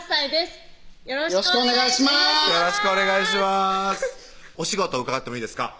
お仕事伺ってもいいですか？